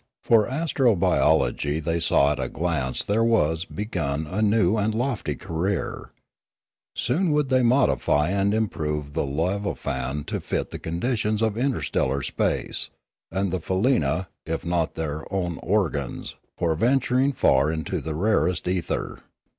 For astrobiology they saw at a glance there was begun a new and lofty career. Soon would they modify and improve the lavolan to fit the conditions of interstellar space, and the faleena, if not their own organs, for venturing far into the rarest ether.